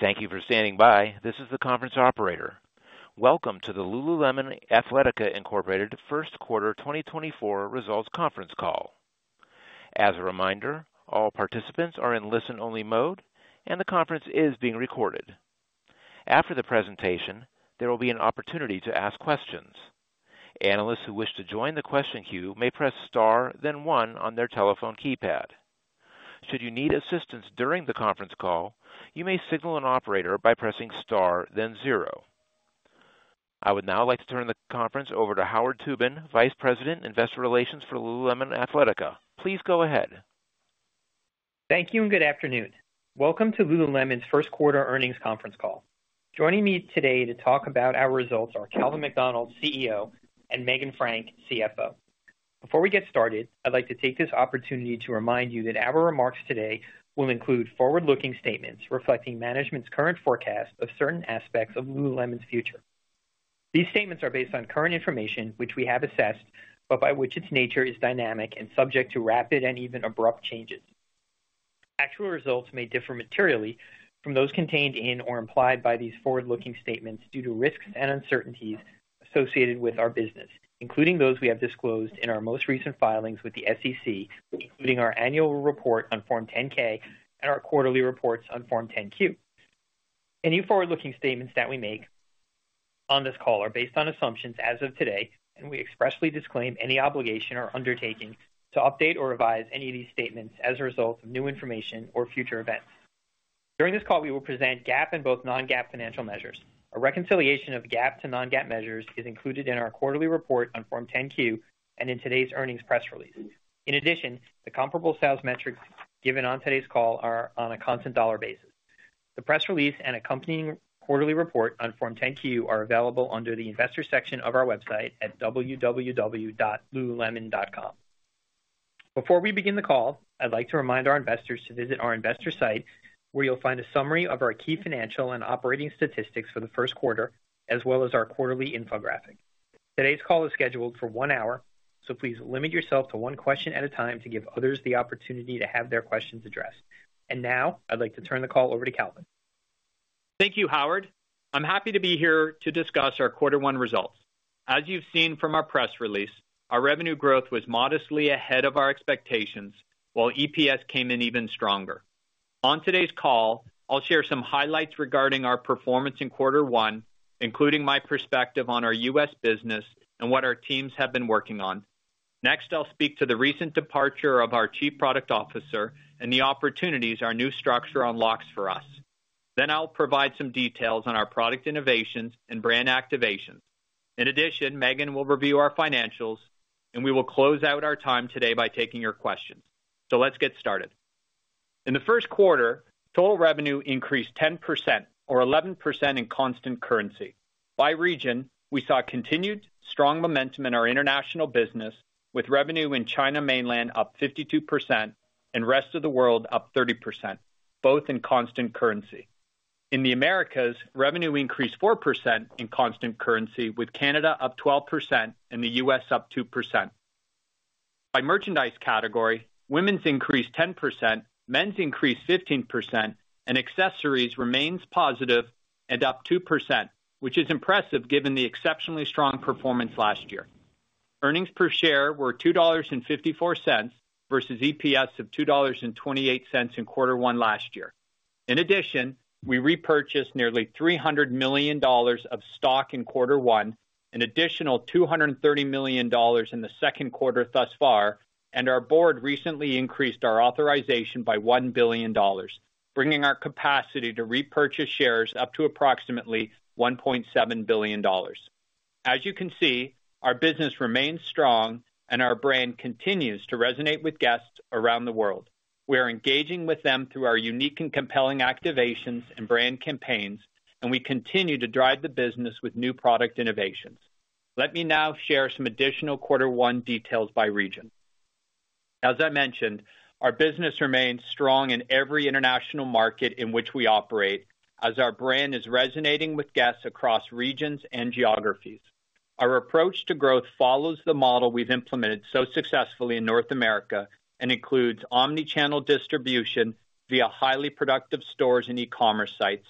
Thank you for standing by. This is the conference operator. Welcome to the Lululemon Athletica Incorporated first quarter 2024 results conference call. As a reminder, all participants are in listen-only mode, and the conference is being recorded. After the presentation, there will be an opportunity to ask questions. Analysts who wish to join the question queue may press Star, then one on their telephone keypad. Should you need assistance during the conference call, you may signal an operator by pressing Star, then zero. I would now like to turn the conference over to Howard Tubin, Vice President, Investor Relations for Lululemon Athletica. Please go ahead. Thank you and good afternoon. Welcome to Lululemon's first quarter earnings conference call. Joining me today to talk about our results are Calvin McDonald, CEO, and Meghan Frank, CFO. Before we get started, I'd like to take this opportunity to remind you that our remarks today will include forward-looking statements reflecting management's current forecast of certain aspects of Lululemon's future. These statements are based on current information, which we have assessed, but by which its nature is dynamic and subject to rapid and even abrupt changes. Actual results may differ materially from those contained in or implied by these forward-looking statements due to risks and uncertainties associated with our business, including those we have disclosed in our most recent filings with the SEC, including our annual report on Form 10-K and our quarterly reports on Form 10-Q. Any forward-looking statements that we make on this call are based on assumptions as of today, and we expressly disclaim any obligation or undertaking to update or revise any of these statements as a result of new information or future events. During this call, we will present GAAP and both non-GAAP financial measures. A reconciliation of GAAP to non-GAAP measures is included in our quarterly report on Form 10-Q and in today's earnings press release. In addition, the comparable sales metrics given on today's call are on a constant dollar basis. The press release and accompanying quarterly report on Form 10-Q are available under the Investors section of our website at www.lululemon.com. Before we begin the call, I'd like to remind our investors to visit our investor site, where you'll find a summary of our key financial and operating statistics for the first quarter, as well as our quarterly infographic. Today's call is scheduled for one hour, so please limit yourself to one question at a time to give others the opportunity to have their questions addressed. Now, I'd like to turn the call over to Calvin. Thank you, Howard. I'm happy to be here to discuss our quarter one results. As you've seen from our press release, our revenue growth was modestly ahead of our expectations, while EPS came in even stronger. On today's call, I'll share some highlights regarding our performance in quarter one, including my perspective on our U.S. business and what our teams have been working on. Next, I'll speak to the recent departure of our Chief Product Officer and the opportunities our new structure unlocks for us. Then I'll provide some details on our product innovations and brand activations. In addition, Meghan will review our financials, and we will close out our time today by taking your questions. So let's get started. In the first quarter, total revenue increased 10% or 11% in constant currency. By region, we saw continued strong momentum in our international business, with revenue in China Mainland up 52% and Rest of World up 30%, both in constant currency. In the Americas, revenue increased 4% in constant currency, with Canada up 12% and the U.S. up 2%. By merchandise category, women's increased 10%, men's increased 15%, and accessories remains positive and up 2%, which is impressive given the exceptionally strong performance last year. Earnings per share were $2.54 versus EPS of $2.28 in quarter one last year. In addition, we repurchased nearly $300 million of stock in quarter one, an additional $230 million in the second quarter thus far, and our board recently increased our authorization by $1 billion, bringing our capacity to repurchase shares up to approximately $1.7 billion. As you can see, our business remains strong and our brand continues to resonate with guests around the world. We are engaging with them through our unique and compelling activations and brand campaigns, and we continue to drive the business with new product innovations. Let me now share some additional quarter one details by region. As I mentioned, our business remains strong in every international market in which we operate, as our brand is resonating with guests across regions and geographies. Our approach to growth follows the model we've implemented so successfully in North America and includes omni-channel distribution via highly productive stores and e-commerce sites,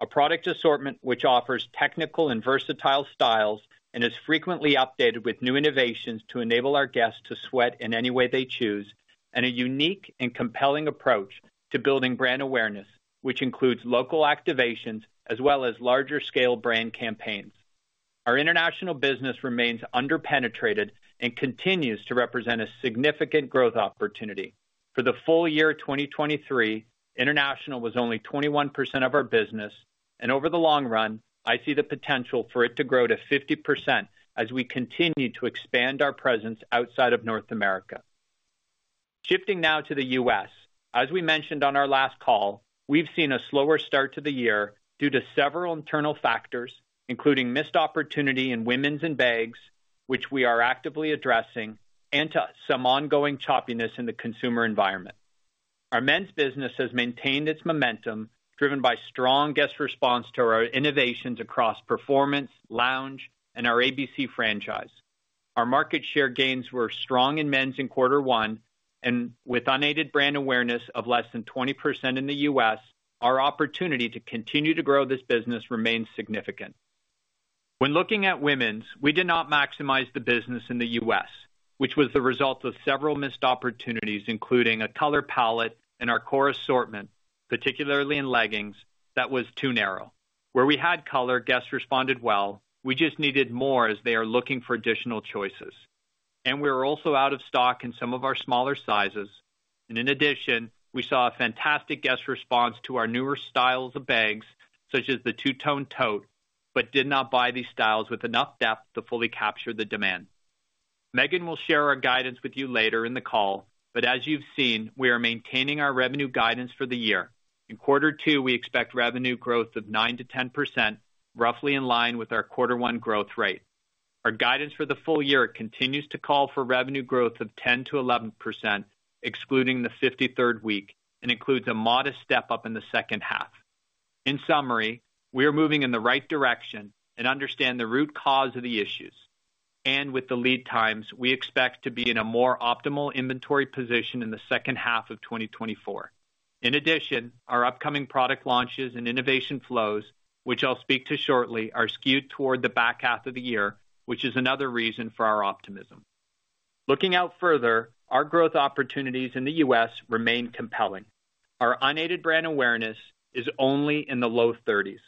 a product assortment which offers technical and versatile styles and is frequently updated with new innovations to enable our guests to sweat in any way they choose, and a unique and compelling approach to building brand awareness, which includes local activations as well as larger scale brand campaigns. Our international business remains underpenetrated and continues to represent a significant growth opportunity. For the full year 2023, international was only 21% of our business, and over the long run, I see the potential for it to grow to 50% as we continue to expand our presence outside of North America. Shifting now to the U.S. As we mentioned on our last call, we've seen a slower start to the year due to several internal factors, including missed opportunity in women's and bags, which we are actively addressing, and to some ongoing choppiness in the consumer environment. Our men's business has maintained its momentum, driven by strong guest response to our innovations across performance, lounge, and our ABC franchise.... Our market share gains were strong in men's in quarter one, and with unaided brand awareness of less than 20% in the U.S., our opportunity to continue to grow this business remains significant. When looking at women's, we did not maximize the business in the U.S., which was the result of several missed opportunities, including a color palette in our core assortment, particularly in leggings, that was too narrow. Where we had color, guests responded well. We just needed more, as they are looking for additional choices. We were also out of stock in some of our smaller sizes, and in addition, we saw a fantastic guest response to our newer styles of bags, such as the Two-Tone Tote, but did not buy these styles with enough depth to fully capture the demand. Meghan will share our guidance with you later in the call, but as you've seen, we are maintaining our revenue guidance for the year. In quarter two, we expect revenue growth of 9%-10%, roughly in line with our quarter one growth rate. Our guidance for the full year continues to call for revenue growth of 10%-11%, excluding the Fifty-Third Week, and includes a modest step-up in the second half. In summary, we are moving in the right direction and understand the root cause of the issues, and with the lead times, we expect to be in a more optimal inventory position in the second half of 2024. In addition, our upcoming product launches and innovation flows, which I'll speak to shortly, are skewed toward the back half of the year, which is another reason for our optimism. Looking out further, our growth opportunities in the U.S. remain compelling. Our unaided brand awareness is only in the low 30s.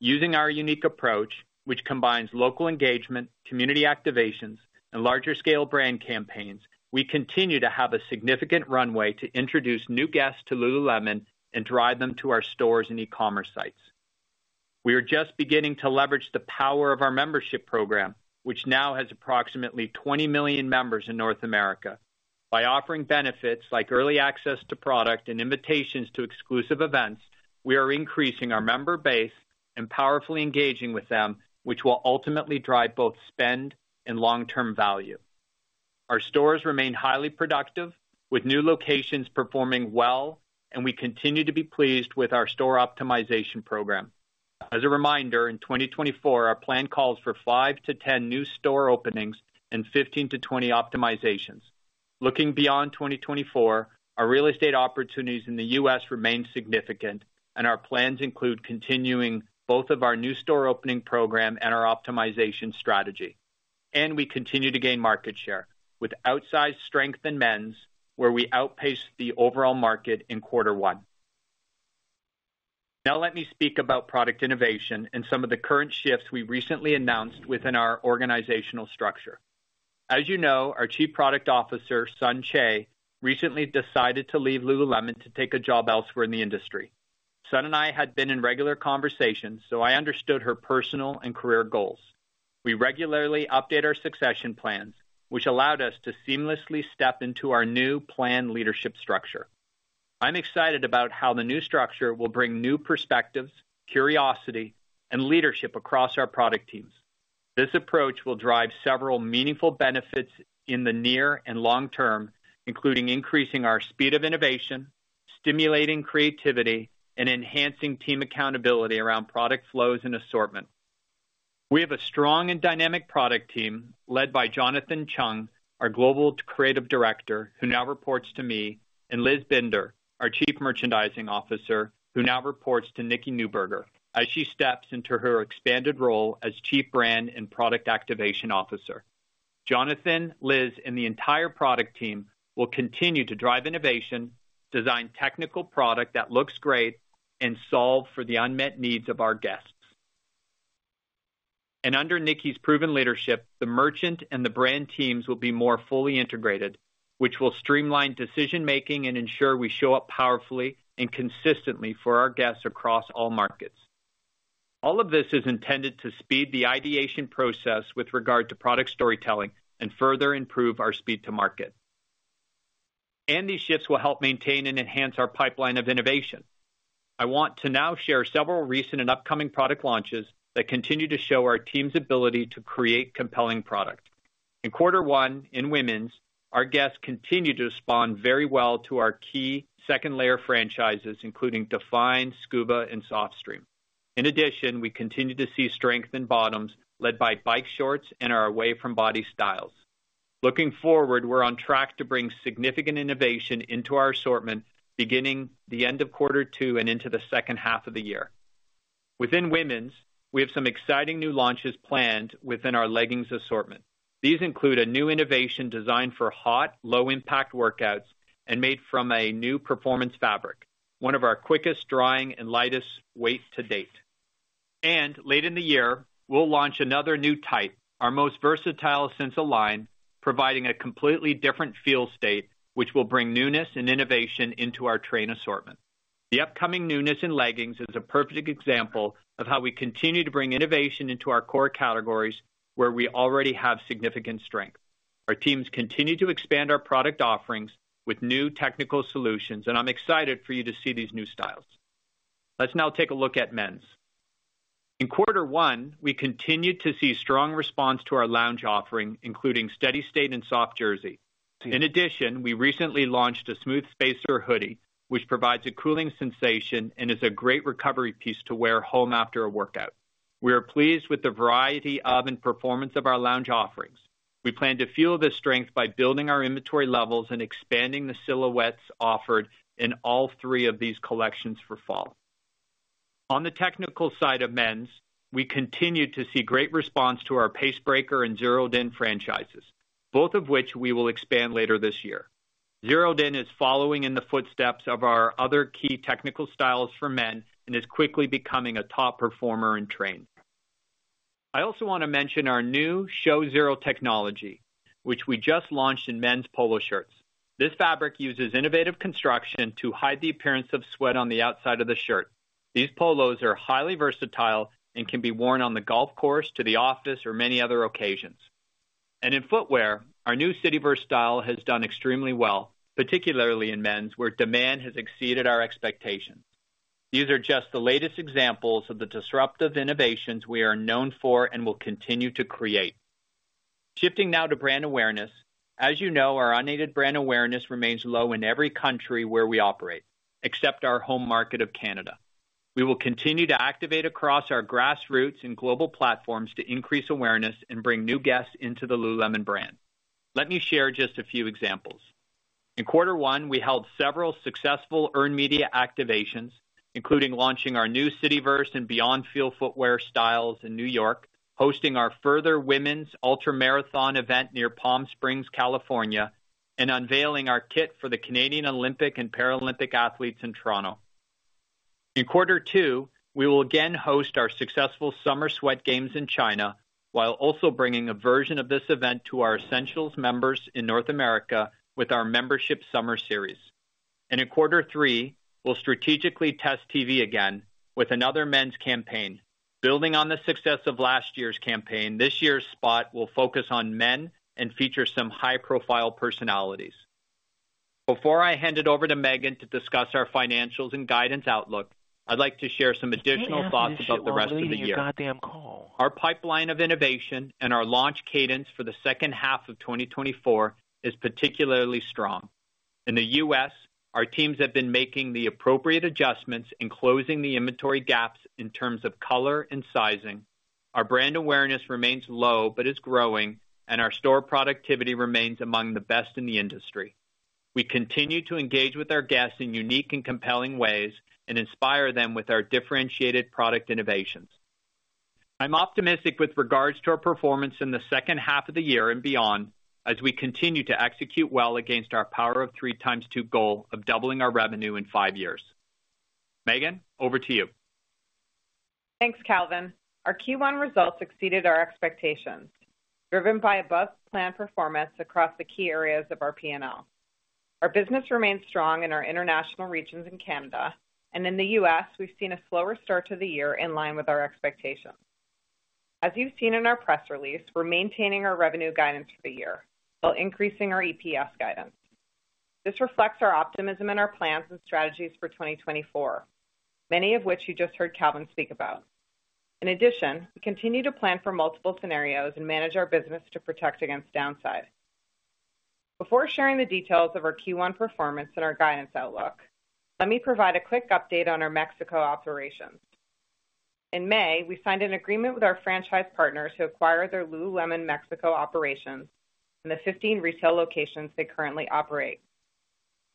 Using our unique approach, which combines local engagement, community activations, and larger scale brand campaigns, we continue to have a significant runway to introduce new guests to Lululemon and drive them to our stores and e-commerce sites. We are just beginning to leverage the power of our membership program, which now has approximately 20 million members in North America. By offering benefits like early access to product and invitations to exclusive events, we are increasing our member base and powerfully engaging with them, which will ultimately drive both spend and long-term value. Our stores remain highly productive, with new locations performing well, and we continue to be pleased with our store optimization program. As a reminder, in 2024, our plan calls for 5-10 new store openings and 15-20 optimizations. Looking beyond 2024, our real estate opportunities in the U.S. remain significant, and our plans include continuing both of our new store opening program and our optimization strategy. We continue to gain market share with outsized strength in men's, where we outpaced the overall market in quarter one. Now let me speak about product innovation and some of the current shifts we recently announced within our organizational structure. As you know, our Chief Product Officer, Sun Choe, recently decided to leave Lululemon to take a job elsewhere in the industry. Sun and I had been in regular conversations, so I understood her personal and career goals. We regularly update our succession plans, which allowed us to seamlessly step into our new planned leadership structure. I'm excited about how the new structure will bring new perspectives, curiosity, and leadership across our product teams. This approach will drive several meaningful benefits in the near and long term, including increasing our speed of innovation, stimulating creativity, and enhancing team accountability around product flows and assortment. We have a strong and dynamic product team led by Jonathan Cheung, our Global Creative Director, who now reports to me, and Liz Binder, our Chief Merchandising Officer, who now reports to Nikki Neuburger, as she steps into her expanded role as Chief Brand and Product Activation Officer. Jonathan, Liz, and the entire product team will continue to drive innovation, design technical product that looks great, and solve for the unmet needs of our guests. Under Nikki's proven leadership, the merchant and the brand teams will be more fully integrated, which will streamline decision-making and ensure we show up powerfully and consistently for our guests across all markets. All of this is intended to speed the ideation process with regard to product storytelling and further improve our speed to market. These shifts will help maintain and enhance our pipeline of innovation. I want to now share several recent and upcoming product launches that continue to show our team's ability to create compelling product. In quarter one, in women's, our guests continued to respond very well to our key second-layer franchises, including Define, Scuba, and Softstreme. In addition, we continued to see strength in bottoms, led by bike shorts and our away-from-body styles. Looking forward, we're on track to bring significant innovation into our assortment, beginning the end of quarter two and into the second half of the year. Within women's, we have some exciting new launches planned within our leggings assortment. These include a new innovation designed for hot, low-impact workouts and made from a new performance fabric, one of our quickest drying and lightest weights to date. Late in the year, we'll launch another new type, our most versatile Sense line, providing a completely different feel state, which will bring newness and innovation into our train assortment. The upcoming newness in leggings is a perfect example of how we continue to bring innovation into our core categories, where we already have significant strength. Our teams continue to expand our product offerings with new technical solutions, and I'm excited for you to see these new styles. Let's now take a look at men's. In quarter one, we continued to see strong response to our lounge offering, including Steady State and Soft Jersey. In addition, we recently launched a Smooth Spacer hoodie, which provides a cooling sensation and is a great recovery piece to wear home after a workout. We are pleased with the variety of and performance of our lounge offerings. We plan to fuel this strength by building our inventory levels and expanding the silhouettes offered in all three of these collections for fall. On the technical side of men's, we continue to see great response to our Pace Breaker and Zeroed In franchises, both of which we will expand later this year. Zeroed In is following in the footsteps of our other key technical styles for men and is quickly becoming a top performer in training. I also wanna mention our new ShowZero technology, which we just launched in men's polo shirts. This fabric uses innovative construction to hide the appearance of sweat on the outside of the shirt. These polos are highly versatile and can be worn on the golf course, to the office, or many other occasions. In footwear, our new Cityverse style has done extremely well, particularly in men's, where demand has exceeded our expectations. These are just the latest examples of the disruptive innovations we are known for and will continue to create. Shifting now to brand awareness. As you know, our unaided brand awareness remains low in every country where we operate, except our home market of Canada. We will continue to activate across our grassroots and global platforms to increase awareness and bring new guests into the Lululemon brand. Let me share just a few examples. In quarter one, we held several successful earned media activations, including launching our new Cityverse and Beyondfeel footwear styles in New York, hosting our Further women's ultramarathon event near Palm Springs, California, and unveiling our kit for the Canadian Olympic and Paralympic athletes in Toronto. In quarter two, we will again host our successful Summer Sweat Games in China, while also bringing a version of this event to our Essentials members in North America with our membership summer series. In quarter three, we'll strategically test TV again with another men's campaign. Building on the success of last year's campaign, this year's spot will focus on men and feature some high-profile personalities. Before I hand it over to Meghan to discuss our financials and guidance outlook, I'd like to share some additional thoughts about the rest of the year. Our pipeline of innovation and our launch cadence for the second half of 2024 is particularly strong. In the U.S., our teams have been making the appropriate adjustments in closing the inventory gaps in terms of color and sizing. Our brand awareness remains low but is growing, and our store productivity remains among the best in the industry. We continue to engage with our guests in unique and compelling ways and inspire them with our differentiated product innovations. I'm optimistic with regards to our performance in the second half of the year and beyond, as we continue to execute well against our Power of Three x2 goal of doubling our revenue in five years. Meghan, over to you. Thanks, Calvin. Our Q1 results exceeded our expectations, driven by above-plan performance across the key areas of our P&L. Our business remains strong in our international regions in Canada, and in the U.S., we've seen a slower start to the year in line with our expectations. As you've seen in our press release, we're maintaining our revenue guidance for the year while increasing our EPS guidance. This reflects our optimism and our plans and strategies for 2024, many of which you just heard Calvin speak about. In addition, we continue to plan for multiple scenarios and manage our business to protect against downside. Before sharing the details of our Q1 performance and our guidance outlook, let me provide a quick update on our Mexico operations. In May, we signed an agreement with our franchise partner to acquire their Lululemon Mexico operations and the 15 retail locations they currently operate.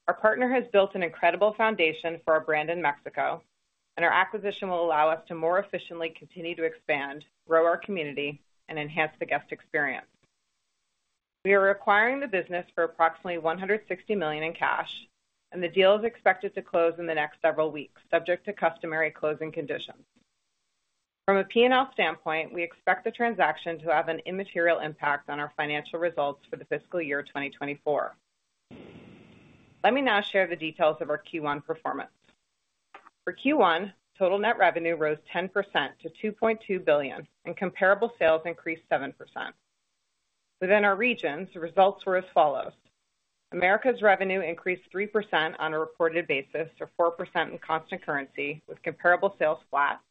Our partner has built an incredible foundation for our brand in Mexico, and our acquisition will allow us to more efficiently continue to expand, grow our community, and enhance the guest experience. We are acquiring the business for approximately $160 million in cash, and the deal is expected to close in the next several weeks, subject to customary closing conditions. From a P&L standpoint, we expect the transaction to have an immaterial impact on our financial results for the fiscal year 2024. Let me now share the details of our Q1 performance. For Q1, total net revenue rose 10% to $2.2 billion, and comparable sales increased 7%. Within our regions, the results were as follows: Americas revenue increased 3% on a reported basis, or 4% in constant currency, with comparable sales flat.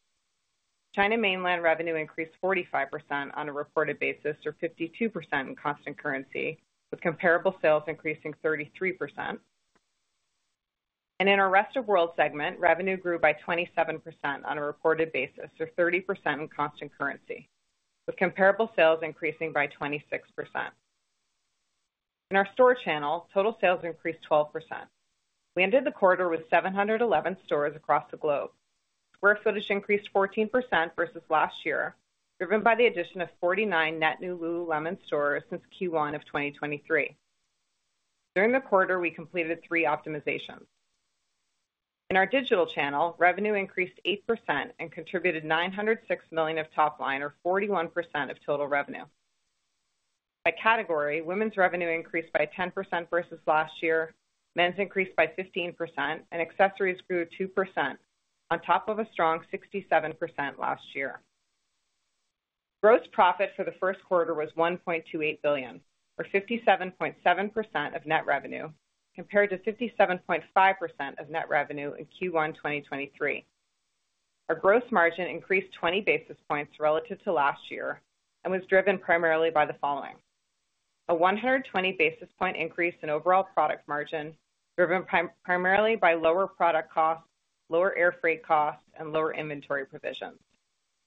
China Mainland revenue increased 45% on a reported basis, or 52% in constant currency, with comparable sales increasing 33%. In our Rest of World segment, revenue grew by 27% on a reported basis to 30% in constant currency, with comparable sales increasing by 26%. In our store channel, total sales increased 12%. We ended the quarter with 711 stores across the globe. Square footage increased 14% versus last year, driven by the addition of 49 net new Lululemon stores since Q1 of 2023. During the quarter, we completed three optimizations. In our digital channel, revenue increased 8% and contributed $906 million of top line, or 41% of total revenue. By category, women's revenue increased by 10% versus last year, men's increased by 15%, and accessories grew 2%, on top of a strong 67% last year. Gross profit for the first quarter was $1.28 billion, or 57.7% of net revenue, compared to 57.5% of net revenue in Q1 2023. Our gross margin increased 20 basis points relative to last year and was driven primarily by the following: a 120 basis point increase in overall product margin, driven primarily by lower product costs, lower air freight costs, and lower inventory provisions,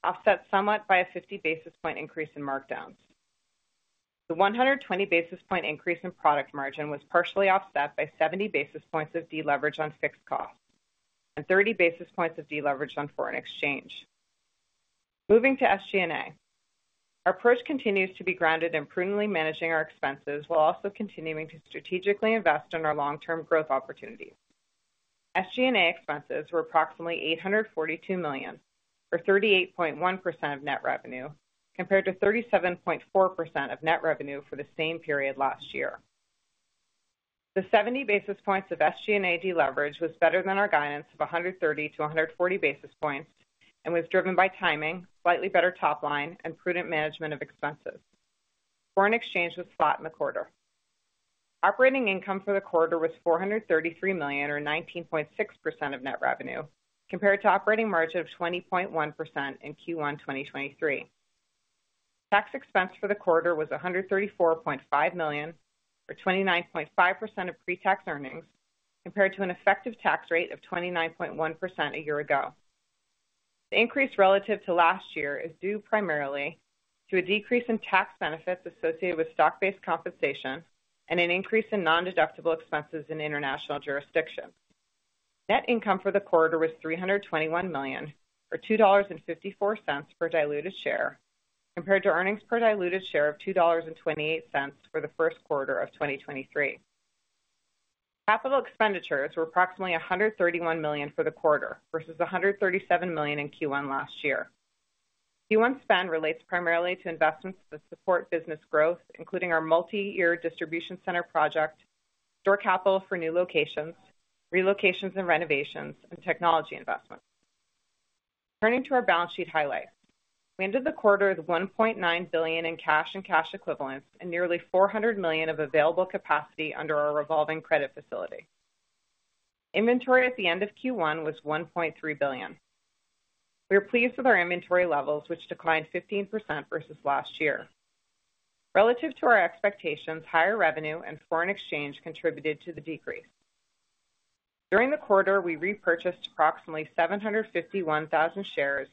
offset somewhat by a 50 basis point increase in markdowns. The 120 basis point increase in product margin was partially offset by 70 basis points of deleverage on fixed costs and 30 basis points of deleverage on foreign exchange. Moving to SG&A. Our approach continues to be grounded in prudently managing our expenses while also continuing to strategically invest in our long-term growth opportunities. SG&A expenses were approximately $842 million, or 38.1% of net revenue, compared to 37.4% of net revenue for the same period last year. The 70 basis points of SG&A deleverage was better than our guidance of 130 basis points-140 basis points, and was driven by timing, slightly better top line, and prudent management of expenses. Foreign exchange was flat in the quarter. Operating income for the quarter was $433 million, or 19.6% of net revenue, compared to operating margin of 20.1% in Q1 2023. Tax expense for the quarter was $134.5 million, or 29.5% of pre-tax earnings, compared to an effective tax rate of 29.1% a year ago. The increase relative to last year is due primarily to a decrease in tax benefits associated with stock-based compensation and an increase in nondeductible expenses in international jurisdictions. Net income for the quarter was $321 million, or $2.54 per diluted share, compared to earnings per diluted share of $2.28 for the first quarter of 2023. Capital expenditures were approximately $131 million for the quarter versus $137 million in Q1 last year. Q1 spend relates primarily to investments that support business growth, including our multiyear distribution center project, store capital for new locations, relocations and renovations, and technology investments. Turning to our balance sheet highlights. We ended the quarter with $1.9 billion in cash and cash equivalents and nearly $400 million of available capacity under our revolving credit facility. Inventory at the end of Q1 was $1.3 billion. We are pleased with our inventory levels, which declined 15% versus last year. Relative to our expectations, higher revenue and foreign exchange contributed to the decrease. During the quarter, we repurchased approximately 751,000 shares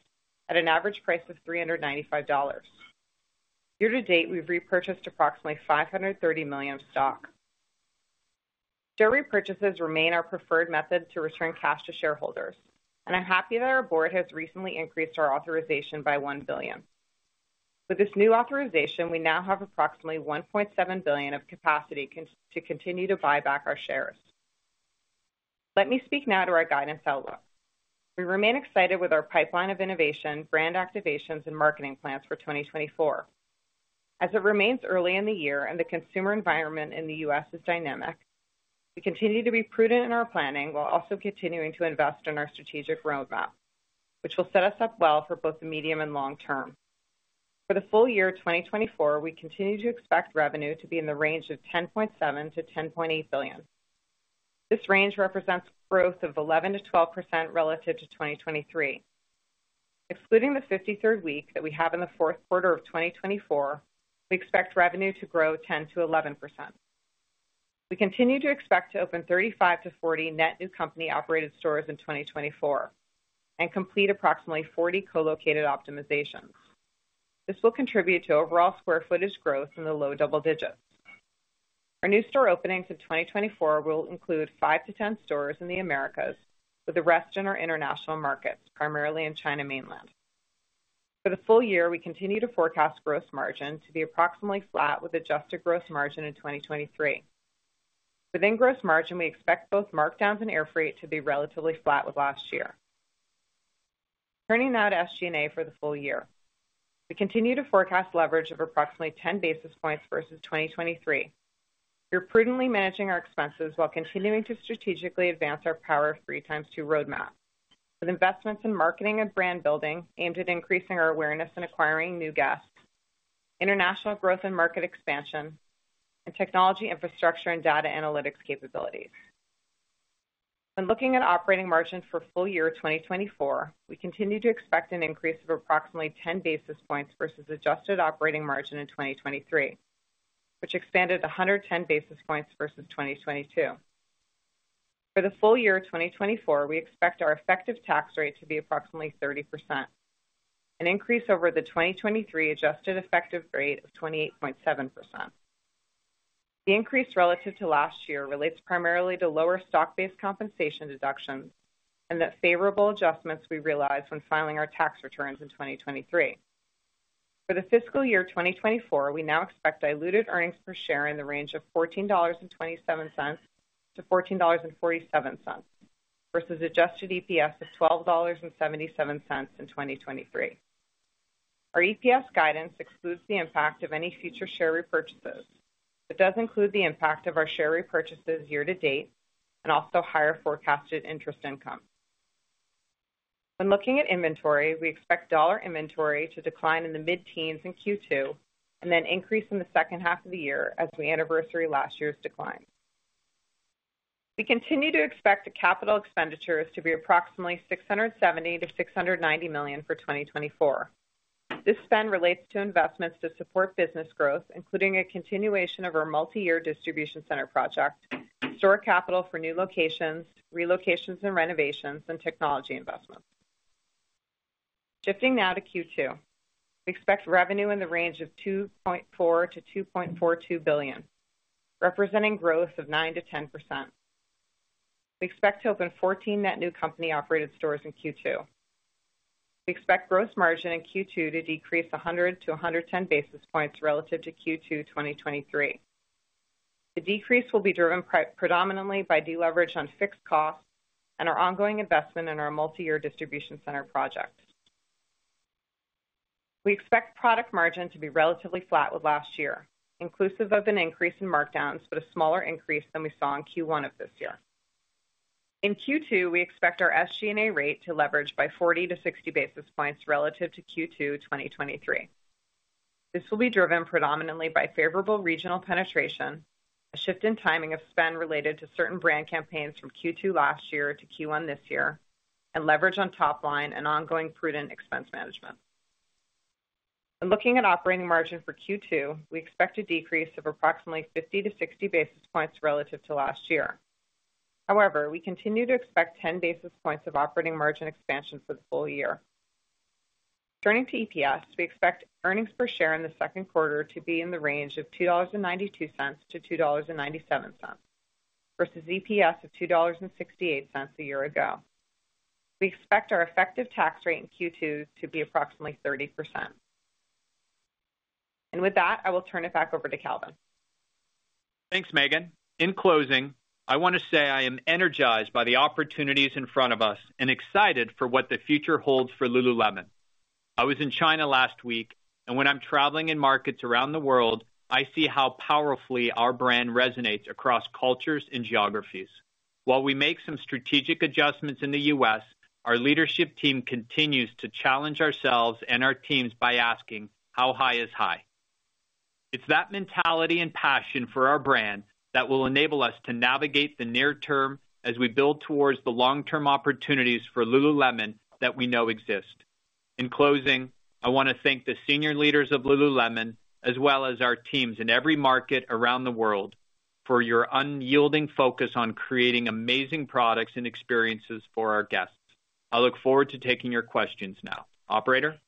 at an average price of $395. Year to date, we've repurchased approximately $530 million stock. Share repurchases remain our preferred method to return cash to shareholders, and I'm happy that our board has recently increased our authorization by $1 billion. With this new authorization, we now have approximately $1.7 billion of capacity to continue to buy back our shares. Let me speak now to our guidance outlook. We remain excited with our pipeline of innovation, brand activations, and marketing plans for 2024. As it remains early in the year and the consumer environment in the U.S. is dynamic, we continue to be prudent in our planning, while also continuing to invest in our strategic roadmap, which will set us up well for both the medium and long term. For the full year 2024, we continue to expect revenue to be in the range of $10.7 billion-$10.8 billion. This range represents growth of 11%-12% relative to 2023. Excluding the 53rd week that we have in the fourth quarter of 2024, we expect revenue to grow 10%-11%. We continue to expect to open 35-40 net new company-operated stores in 2024 and complete approximately 40 co-located optimizations. This will contribute to overall square footage growth in the low double digits. Our new store openings in 2024 will include 5-10 stores in the Americas, with the rest in our international markets, primarily in China Mainland. For the full year, we continue to forecast gross margin to be approximately flat with adjusted gross margin in 2023. Within gross margin, we expect both markdowns and air freight to be relatively flat with last year. Turning now to SG&A for the full year. We continue to forecast leverage of approximately 10 basis points versus 2023. We're prudently managing our expenses while continuing to strategically advance our Power of Three x2 roadmap, with investments in marketing and brand building aimed at increasing our awareness and acquiring new guests, international growth and market expansion, and technology infrastructure and data analytics capabilities. When looking at operating margins for full year 2024, we continue to expect an increase of approximately 10 basis points versus adjusted operating margin in 2023, which expanded 110 basis points versus 2022. For the full year 2024, we expect our effective tax rate to be approximately 30%, an increase over the 2023 adjusted effective rate of 28.7%. The increase relative to last year relates primarily to lower stock-based compensation deductions and the favorable adjustments we realized when filing our tax returns in 2023. For the fiscal year 2024, we now expect diluted earnings per share in the range of $14.27-$14.47, versus adjusted EPS of $12.77 in 2023. Our EPS guidance excludes the impact of any future share repurchases. It does include the impact of our share repurchases year to date and also higher forecasted interest income. When looking at inventory, we expect dollar inventory to decline in the mid-teens% in Q2, and then increase in the second half of the year as we anniversary last year's decline. We continue to expect the capital expenditures to be approximately $670 million-$690 million for 2024. This spend relates to investments to support business growth, including a continuation of our multi-year distribution center project, store capital for new locations, relocations and renovations, and technology investments. Shifting now to Q2, we expect revenue in the range of $2.4 billion-$2.42 billion, representing growth of 9%-10%. We expect to open 14 net new company-operated stores in Q2. We expect gross margin in Q2 to decrease 100 basis points-110 basis points relative to Q2 2023. The decrease will be driven predominantly by deleverage on fixed costs and our ongoing investment in our multi-year distribution center project. We expect product margin to be relatively flat with last year, inclusive of an increase in markdowns, but a smaller increase than we saw in Q1 of this year. In Q2, we expect our SG&A rate to leverage by 40 basis points-60 basis points relative to Q2 2023. This will be driven predominantly by favorable regional penetration, a shift in timing of spend related to certain brand campaigns from Q2 last year to Q1 this year, and leverage on top line and ongoing prudent expense management. Looking at operating margin for Q2, we expect a decrease of approximately 50 basis points-60 basis points relative to last year. However, we continue to expect 10 basis points of operating margin expansion for the full year. Turning to EPS, we expect earnings per share in the second quarter to be in the range of $2.92-$2.97, versus EPS of $2.68 a year ago. We expect our effective tax rate in Q2 to be approximately 30%. With that, I will turn it back over to Calvin. Thanks, Meghan. In closing, I wanna say I am energized by the opportunities in front of us and excited for what the future holds for Lululemon. I was in China last week, and when I'm traveling in markets around the world, I see how powerfully our brand resonates across cultures and geographies. While we make some strategic adjustments in the U.S., our leadership team continues to challenge ourselves and our teams by asking, "How high is high?" It's that mentality and passion for our brand that will enable us to navigate the near term as we build towards the long-term opportunities for Lululemon that we know exist. In closing, I wanna thank the senior leaders of Lululemon, as well as our teams in every market around the world, for your unyielding focus on creating amazing products and experiences for our guests. I look forward to taking your questions now. Operator?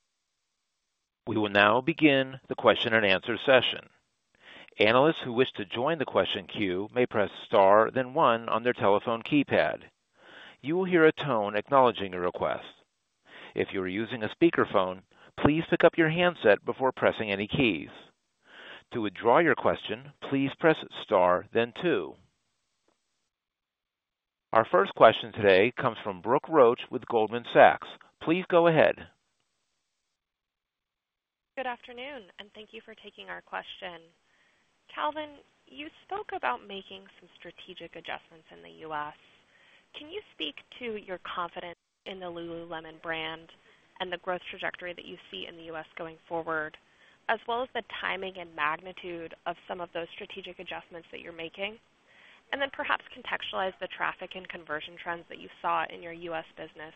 We will now begin the question and answer session. Analysts who wish to join the question queue may press star, then one on their telephone keypad. You will hear a tone acknowledging the request. If you are using a speakerphone, please pick up your handset before pressing any keys. To withdraw your question, please press star then two. Our first question today comes from Brooke Roach with Goldman Sachs. Please go ahead. Good afternoon, and thank you for taking our question. Calvin, you spoke about making some strategic adjustments in the U.S. Can you speak to your confidence in the Lululemon brand and the growth trajectory that you see in the U.S. going forward, as well as the timing and magnitude of some of those strategic adjustments that you're making? And then perhaps contextualize the traffic and conversion trends that you saw in your U.S. business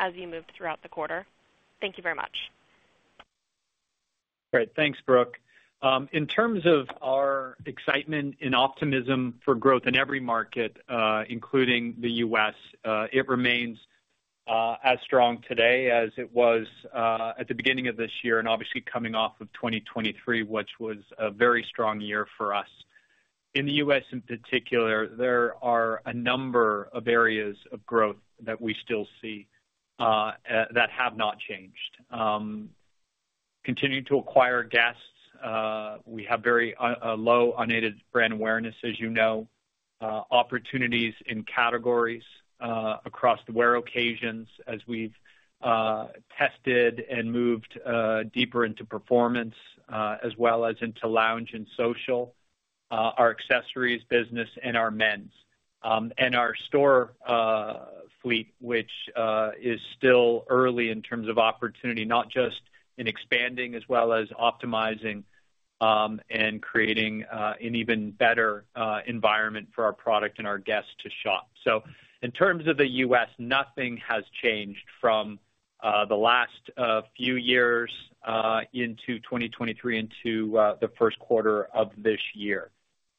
as you moved throughout the quarter. Thank you very much. Great. Thanks, Brooke. In terms of our excitement and optimism for growth in every market, including the U.S., it remains as strong today as it was at the beginning of this year, and obviously coming off of 2023, which was a very strong year for us. In the U.S., in particular, there are a number of areas of growth that we still see that have not changed. Continuing to acquire guests, we have very, a low unaided brand awareness, as you know, opportunities in categories across the wear occasions as we've tested and moved deeper into performance, as well as into lounge and social, our accessories business and our men's. Our store fleet, which is still early in terms of opportunity, not just in expanding as well as optimizing, and creating an even better environment for our product and our guests to shop. So in terms of the U.S., nothing has changed from the last few years into 2023 into the first quarter of this year.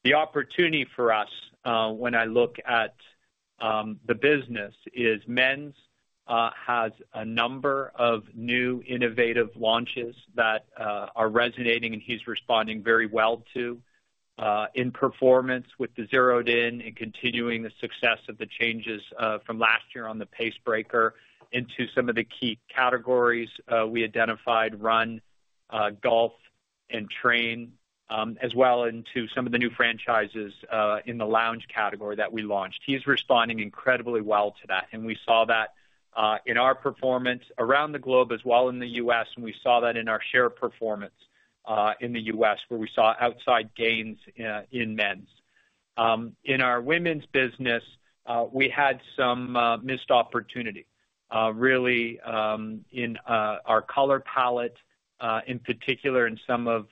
The opportunity for us, when I look at, the business, is men's, has a number of new innovative launches that, are resonating and he's responding very well to, in performance with the Zeroed In and continuing the success of the changes, from last year on the Pace Breaker into some of the key categories, we identified Run, Golf and Train, as well into some of the new franchises, in the lounge category that we launched. He's responding incredibly well to that, and we saw that, in our performance around the globe as well in the U.S., and we saw that in our share performance, in the U.S., where we saw outsized gains in men's. In our women's business-... We had some missed opportunity, really, in our color palette, in particular, in some of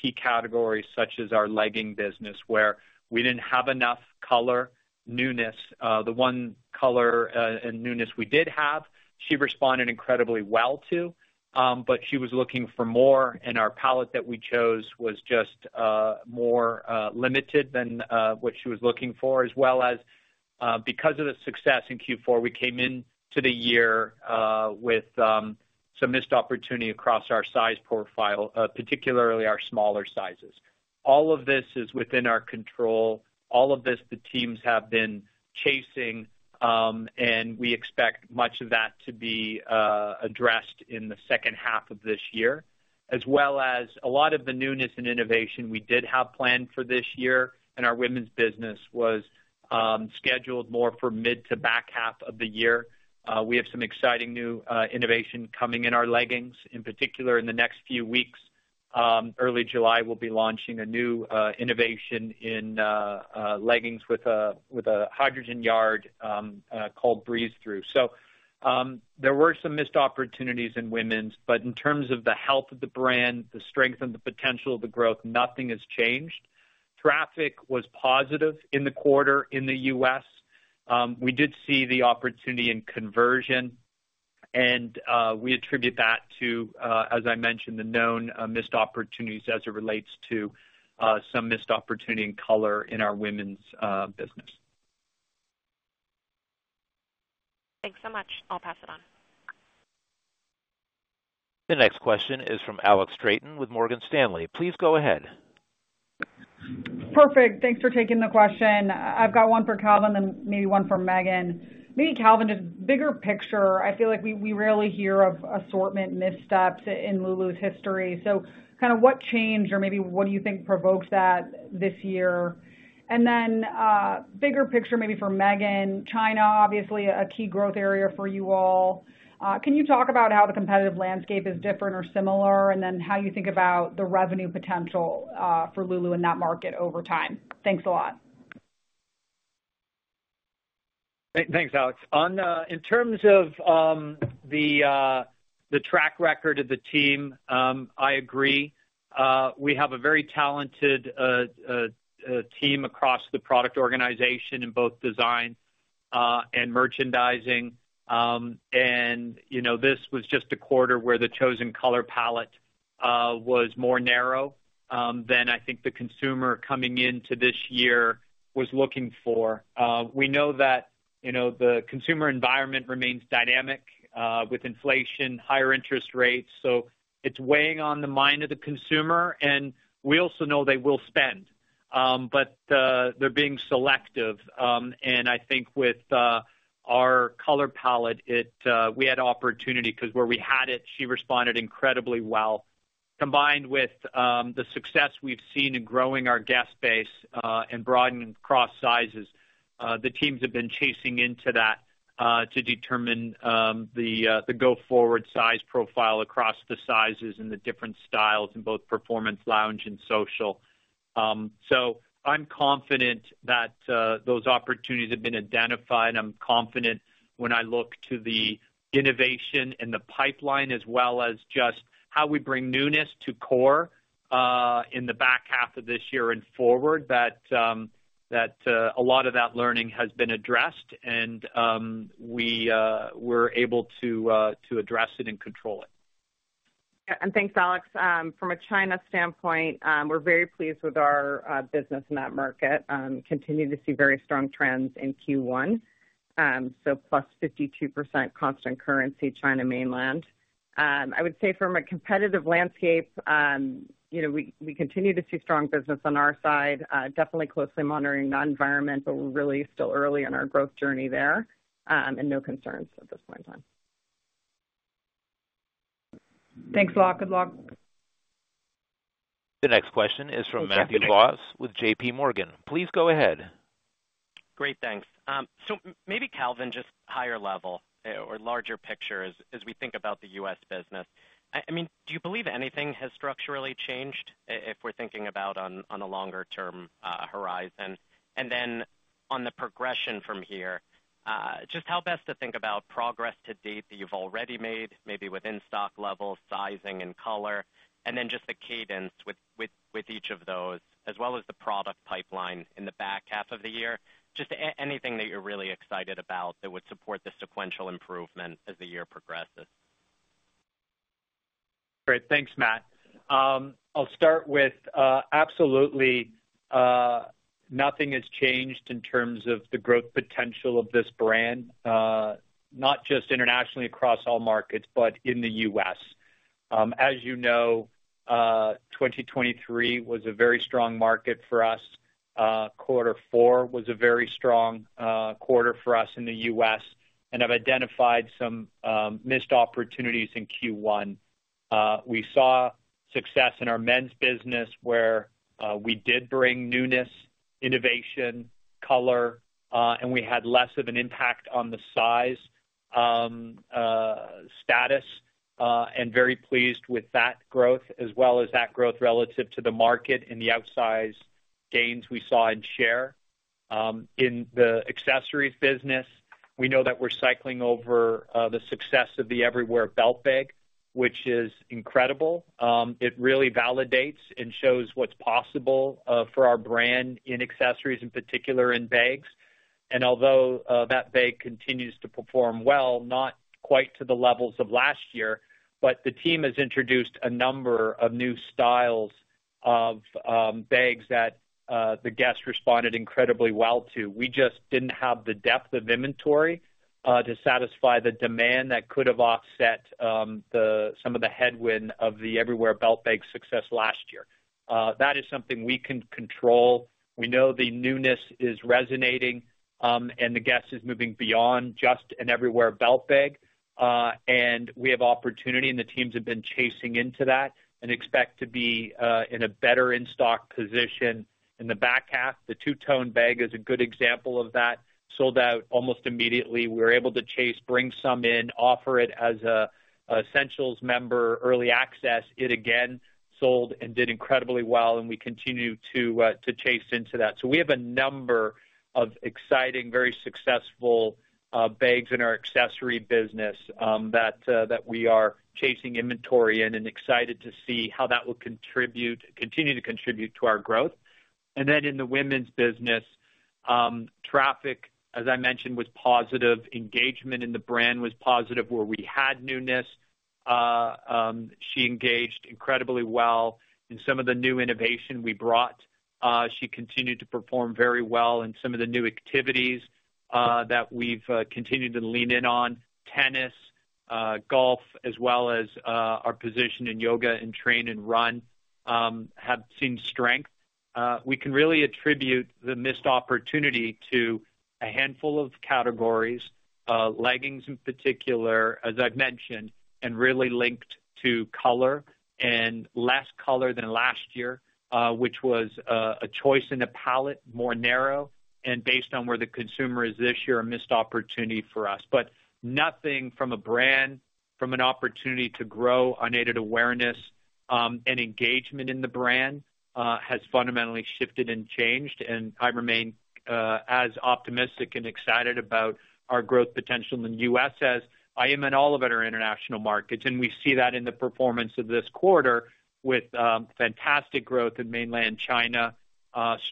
key categories, such as our legging business, where we didn't have enough color newness. The one color and newness we did have, she responded incredibly well to, but she was looking for more, and our palette that we chose was just more limited than what she was looking for, as well as, because of the success in Q4, we came into the year with some missed opportunity across our size profile, particularly our smaller sizes. All of this is within our control. All of this, the teams have been chasing, and we expect much of that to be addressed in the second half of this year, as well as a lot of the newness and innovation we did have planned for this year, and our women's business was scheduled more for mid to back half of the year. We have some exciting new innovation coming in our leggings, in particular, in the next few weeks. Early July, we'll be launching a new innovation in leggings with a hydrogen yarn called Breeze Through. So, there were some missed opportunities in women's, but in terms of the health of the brand, the strength and the potential of the growth, nothing has changed. Traffic was positive in the quarter in the U.S.. We did see the opportunity in conversion, and we attribute that to, as I mentioned, the known missed opportunities as it relates to some missed opportunity in color in our women's business. Thanks so much. I'll pass it on. The next question is from Alex Straton with Morgan Stanley. Please go ahead. Perfect. Thanks for taking the question. I've got one for Calvin and maybe one for Meghan. Maybe Calvin, just bigger picture, I feel like we, we rarely hear of assortment missteps in Lulu's history. So kinda what changed or maybe what do you think provoked that this year? And then, bigger picture, maybe for Meghan. China, obviously a key growth area for you all. Can you talk about how the competitive landscape is different or similar, and then how you think about the revenue potential for Lulu in that market over time? Thanks a lot. Thanks, Alex. In terms of the track record of the team, I agree. We have a very talented team across the product organization in both design and merchandising. And you know, this was just a quarter where the chosen color palette was more narrow than I think the consumer coming into this year was looking for. We know that you know, the consumer environment remains dynamic with inflation, higher interest rates, so it's weighing on the mind of the consumer, and we also know they will spend. But they're being selective, and I think with our color palette, we had opportunity, 'cause where we had it, she responded incredibly well. Combined with the success we've seen in growing our guest base and broadening across sizes, the teams have been diving into that to determine the go-forward size profile across the sizes and the different styles in both performance, lounge, and social. So I'm confident that those opportunities have been identified. I'm confident when I look to the innovation in the pipeline, as well as just how we bring newness to core in the back half of this year and forward, that a lot of that learning has been addressed, and we're able to address it and control it. Thanks, Alex. From a China standpoint, we're very pleased with our business in that market. Continue to see very strong trends in Q1, so +52% constant currency, China Mainland. I would say from a competitive landscape, you know, we continue to see strong business on our side, definitely closely monitoring that environment, but we're really still early in our growth journey there, and no concerns at this point in time. Thanks a lot. Good luck. The next question is from Matthew Boss with JPMorgan. Please go ahead. Great, thanks. So maybe Calvin, just higher level or larger picture as we think about the U.S. business. I mean, do you believe anything has structurally changed, if we're thinking about on a longer-term horizon? And then, on the progression from here, just how best to think about progress to date that you've already made, maybe within stock levels, sizing and color, and then just the cadence with each of those, as well as the product pipeline in the back half of the year? Just anything that you're really excited about that would support the sequential improvement as the year progresses. Great. Thanks, Matt. I'll start with, absolutely, nothing has changed in terms of the growth potential of this brand, not just internationally across all markets, but in the U.S.. As you know, 2023 was a very strong market for us. Quarter four was a very strong quarter for us in the U.S., and have identified some missed opportunities in Q1. We saw success in our men's business, where we did bring newness, innovation, color, and we had less of an impact on the size status, and very pleased with that growth as well as that growth relative to the market and the outsized gains we saw in share. In the accessories business, we know that we're cycling over the success of the Everywhere Belt Bag, which is incredible. It really validates and shows what's possible for our brand in accessories, in particular in bags. And although that bag continues to perform well, not quite to the levels of last year, but the team has introduced a number of new styles of bags that the guests responded incredibly well to. We just didn't have the depth of inventory to satisfy the demand that could have offset some of the headwind of the Everywhere Belt Bag's success last year. That is something we can control. We know the newness is resonating, and the guest is moving beyond just an Everywhere Belt Bag. And we have opportunity, and the teams have been chasing into that and expect to be in a better in-stock position in the back half. The Two-Tone Bag is a good example of that. Sold out almost immediately. We were able to chase, bring some in, offer it as a Essentials member early access. It again sold and did incredibly well, and we continue to chase into that. So we have a number of exciting, very successful bags in our accessory business, that we are chasing inventory in and excited to see how that will contribute, continue to contribute to our growth. And then in the women's business, traffic, as I mentioned, was positive. Engagement in the brand was positive where we had newness. She engaged incredibly well in some of the new innovation we brought. She continued to perform very well in some of the new activities that we've continued to lean in on. Tennis, golf, as well as our position in yoga and train and run, have seen strength. We can really attribute the missed opportunity to a handful of categories, leggings in particular, as I've mentioned, and really linked to color and less color than last year, which was a choice in a palette, more narrow, and based on where the consumer is this year, a missed opportunity for us. But nothing from a brand, from an opportunity to grow unaided awareness, and engagement in the brand, has fundamentally shifted and changed, and I remain as optimistic and excited about our growth potential in the U.S. as I am in all of our international markets. We see that in the performance of this quarter with fantastic growth in mainland China,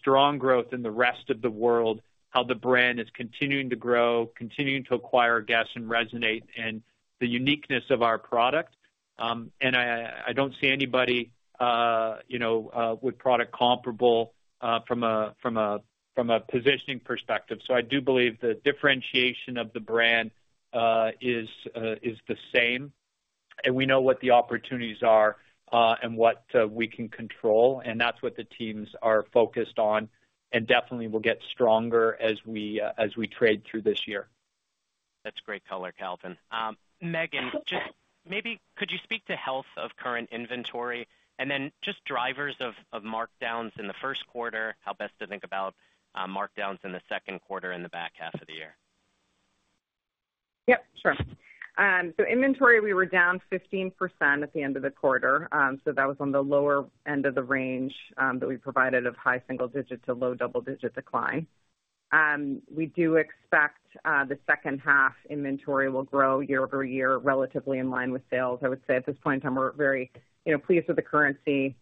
strong growth in the rest of the world, how the brand is continuing to grow, continuing to acquire guests and resonate, and the uniqueness of our product. And I don't see anybody, you know, with product comparable from a positioning perspective. So I do believe the differentiation of the brand is the same, and we know what the opportunities are and what we can control, and that's what the teams are focused on and definitely will get stronger as we trade through this year. That's great color, Calvin. Meghan, just maybe could you speak to health of current inventory and then just drivers of markdowns in the first quarter, how best to think about markdowns in the second quarter and the back half of the year? Yep, sure. So inventory, we were down 15% at the end of the quarter. So that was on the lower end of the range that we provided, of high single-digit to low double-digit decline. We do expect the second half inventory will grow year-over-year, relatively in line with sales. I would say at this point in time, we're very, you know, pleased with the currency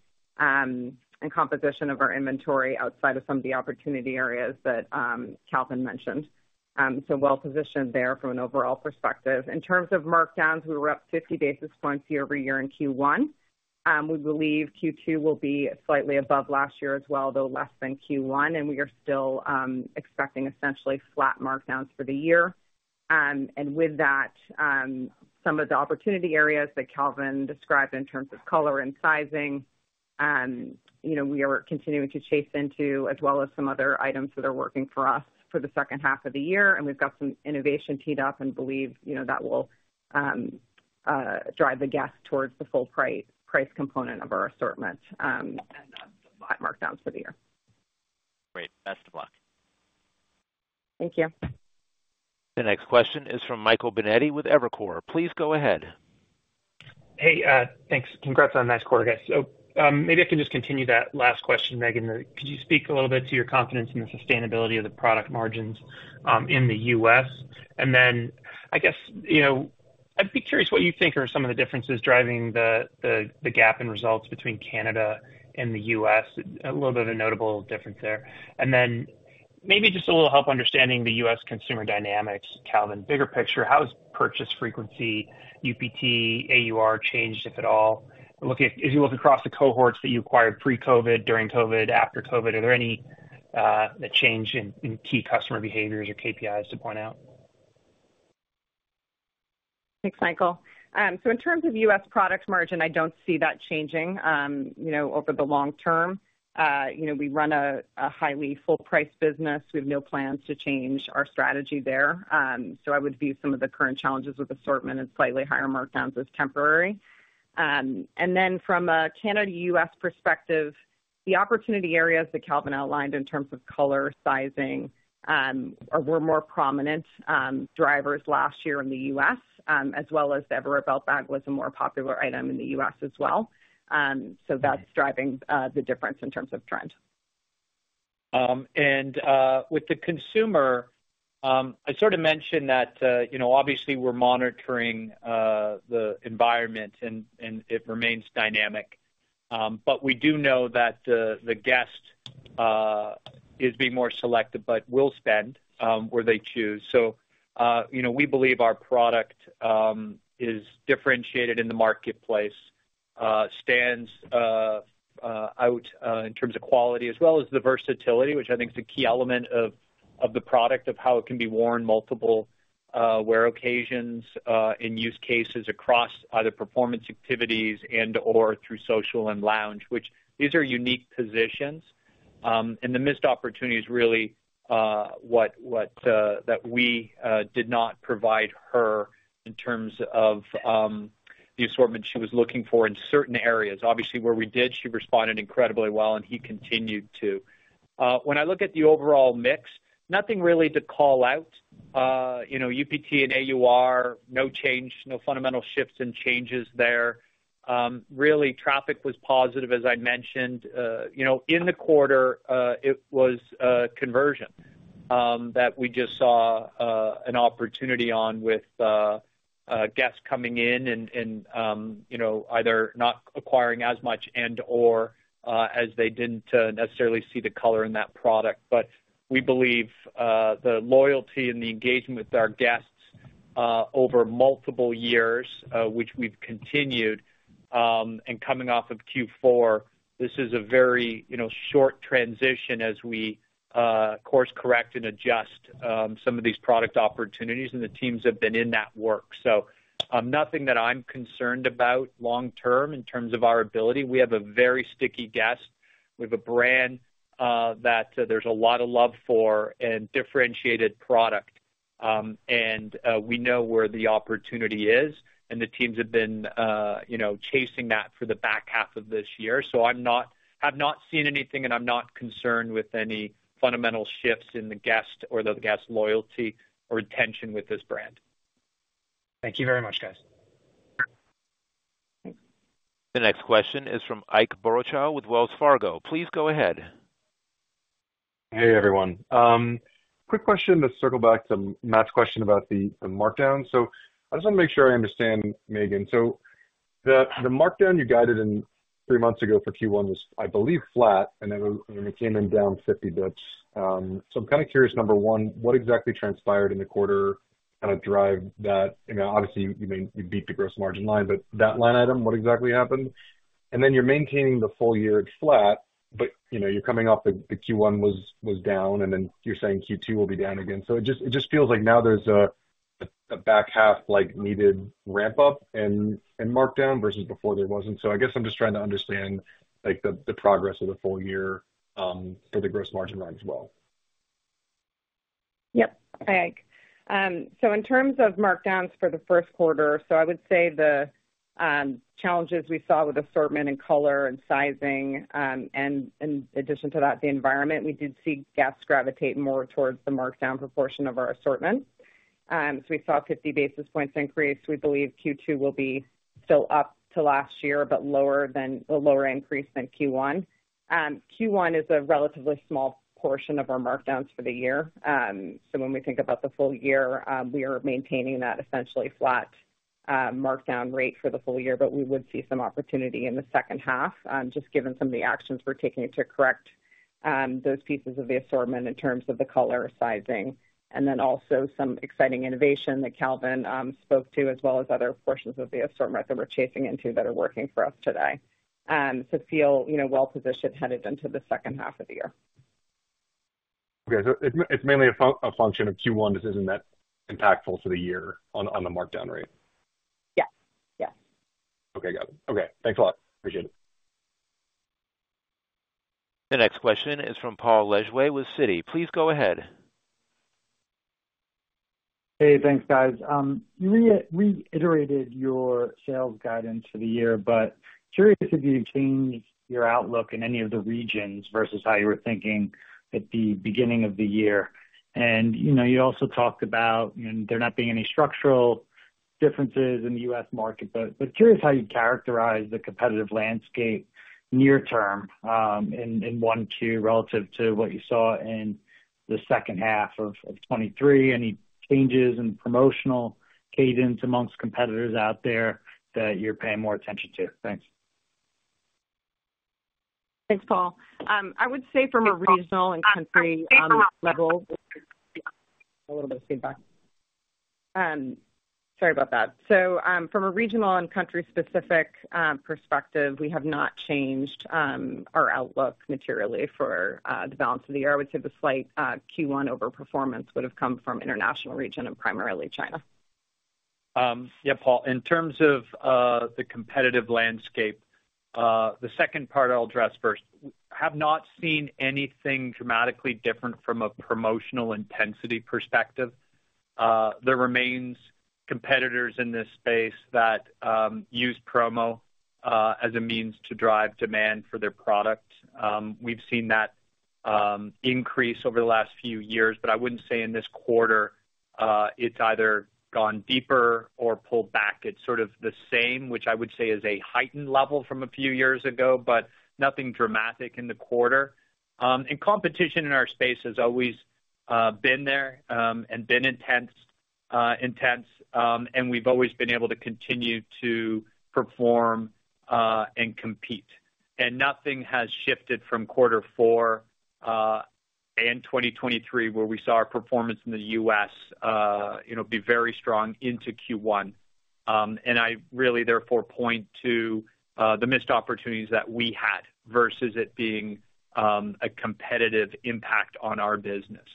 and composition of our inventory outside of some of the opportunity areas that Calvin mentioned. So well positioned there from an overall perspective. In terms of markdowns, we were up 50 basis points year-over-year in Q1. We believe Q2 will be slightly above last year as well, though less than Q1, and we are still expecting essentially flat markdowns for the year. And with that, some of the opportunity areas that Calvin described in terms of color and sizing, you know, we are continuing to chase into, as well as some other items that are working for us for the second half of the year. And we've got some innovation teed up and believe, you know, that will drive the guest towards the full price, price component of our assortment, and the markdowns for the year. Great. Best of luck. Thank you. The next question is from Michael Binetti with Evercore. Please go ahead. Hey, thanks. Congrats on a nice quarter, guys. So, maybe I can just continue that last question, Meghan. Could you speak a little bit to your confidence in the sustainability of the product margins in the U.S.? And then, I guess, you know, I'd be curious what you think are some of the differences driving the gap in results between Canada and the U.S. A little bit of a notable difference there. And then maybe just a little help understanding the U.S. consumer dynamics, Calvin. Bigger picture, how has purchase frequency, UPT, AUR changed, if at all? Looking... If you look across the cohorts that you acquired pre-COVID, during COVID, after COVID, are there any change in key customer behaviors or KPIs to point out? Thanks, Michael. So in terms of U.S. product margin, I don't see that changing, you know, over the long term. You know, we run a highly full price business. We have no plans to change our strategy there. So I would view some of the current challenges with assortment and slightly higher markdowns as temporary. And then from a Canada/U.S. perspective, the opportunity areas that Calvin outlined in terms of color, sizing, were more prominent drivers last year in the U.S., as well as the Everywhere Belt Bag was a more popular item in the U.S. as well. So that's driving the difference in terms of trend. With the consumer, I sort of mentioned that, you know, obviously we're monitoring the environment and it remains dynamic. But we do know that the guest is being more selective, but will spend where they choose. So, you know, we believe our product is differentiated in the marketplace, stands out in terms of quality as well as the versatility, which I think is a key element of the product, of how it can be worn multiple wear occasions in use cases across either performance activities and/or through social and lounge, which these are unique positions. And the missed opportunity is really what that we did not provide her in terms of the assortment she was looking for in certain areas. Obviously, where we did, she responded incredibly well, and he continued to. When I look at the overall mix, nothing really to call out. You know, UPT and AUR, no change, no fundamental shifts and changes there. Really, traffic was positive, as I mentioned. You know, in the quarter, it was conversion that we just saw an opportunity on with guests coming in and, and, you know, either not acquiring as much and/or as they didn't necessarily see the color in that product. But we believe the loyalty and the engagement with our guests over multiple years, which we've continued, and coming off of Q4, this is a very you know short transition as we course correct and adjust some of these product opportunities, and the teams have been in that work. So nothing that I'm concerned about long term in terms of our ability. We have a very sticky guest. We have a brand that there's a lot of love for and differentiated product. And we know where the opportunity is, and the teams have been you know chasing that for the back half of this year. So I have not seen anything, and I'm not concerned with any fundamental shifts in the guest or the guest loyalty or retention with this brand. Thank you very much, guys. The next question is from Ike Boruchow with Wells Fargo. Please go ahead. Hey, everyone. Quick question to circle back to Matt's question about the markdown. So I just want to make sure I understand, Meghan. So the markdown you guided three months ago for Q1 was, I believe, flat, and it came in down 50 basis points. So I'm kind of curious, number one, what exactly transpired in the quarter kind of drive that? You know, obviously, you may... You beat the gross margin line, but that line item, what exactly happened? And then you're maintaining the full year at flat, but, you know, you're coming off the Q1 was down, and then you're saying Q2 will be down again. So it just feels like now there's a back half, like, needed ramp up and markdown versus before there wasn't. I guess I'm just trying to understand, like, the progress of the full year for the gross margin line as well. Yep. Hey, Ike. So in terms of markdowns for the first quarter, so I would say the challenges we saw with assortment and color and sizing, and in addition to that, the environment, we did see guests gravitate more towards the markdown proportion of our assortment. So we saw 50 basis points increase. We believe Q2 will be still up to last year, but lower than... A lower increase than Q1. Q1 is a relatively small portion of our markdowns for the year. So when we think about the full year, we are maintaining that essentially flat markdown rate for the full year, but we would see some opportunity in the second half, just given some of the actions we're taking to correct those pieces of the assortment in terms of the color, sizing, and then also some exciting innovation that Calvin spoke to, as well as other portions of the assortment that we're chasing into that are working for us today. So feel, you know, well-positioned headed into the second half of the year. Okay, so it's mainly a function of Q1 that isn't that impactful to the year on the markdown rate? Yes. Yes. Okay, got it. Okay, thanks a lot. Appreciate it. The next question is from Paul Lejuez with Citi. Please go ahead. Hey, thanks, guys. You reiterated your sales guidance for the year, but curious if you've changed your outlook in any of the regions versus how you were thinking at the beginning of the year. And, you know, you also talked about there not being any structural differences in the U.S. market, but curious how you'd characterize the competitive landscape near term, in 1, 2, relative to what you saw in the second half of 2023. Any changes in promotional cadence amongst competitors out there that you're paying more attention to? Thanks. Thanks, Paul. I would say from a regional and country level. A little bit of feedback. Sorry about that. So, from a regional and country specific perspective, we have not changed our outlook materially for the balance of the year. I would say the slight Q1 overperformance would have come from international region and primarily China. Yeah, Paul, in terms of the competitive landscape. The second part I'll address first. Have not seen anything dramatically different from a promotional intensity perspective. There remains competitors in this space that use promo as a means to drive demand for their product. We've seen that increase over the last few years, but I wouldn't say in this quarter it's either gone deeper or pulled back. It's sort of the same, which I would say is a heightened level from a few years ago, but nothing dramatic in the quarter. And competition in our space has always been there and been intense, and we've always been able to continue to perform and compete. Nothing has shifted from Q4 and 2023, where we saw our performance in the U.S., you know, be very strong into Q1. I really therefore point to the missed opportunities that we had versus it being a competitive impact on our business.